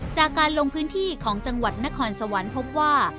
จากการลงพื้นที่ของจังหวัดนครสวรรค์พบว่า